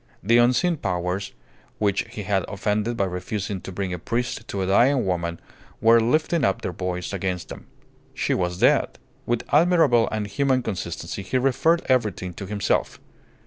The unseen powers which he had offended by refusing to bring a priest to a dying woman were lifting up their voice against him. She was dead. With admirable and human consistency he referred everything to himself.